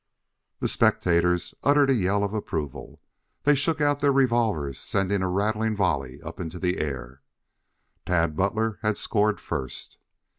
The spectators uttered a yell of approval. They shook out their revolvers, sending a rattling volley up into the air. Tad Butler had scored first.